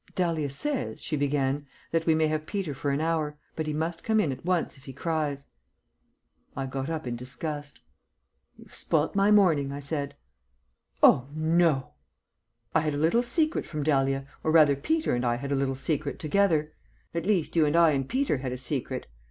"Dahlia says," she began, "that we may have Peter for an hour, but he must come in at once if he cries." I got up in disgust. "You've spoilt my morning," I said. "Oh, no!" "I had a little secret from Dahlia, or rather Peter and I had a little secret together; at least, you and I and Peter had a secret.